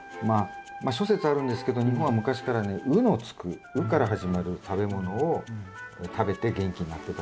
まあ諸説あるんですけど日本は昔からね「う」のつく「う」から始まる食べ物を食べて元気になってたっていう。